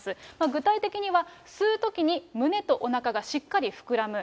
具体的には、吸うときに胸とおなかがしっかり膨らむ。